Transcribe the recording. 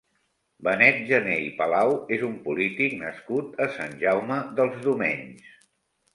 Benet Jané i Palau és un polític nascut a Sant Jaume dels Domenys.